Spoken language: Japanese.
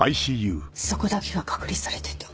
そこだけが隔離されていた。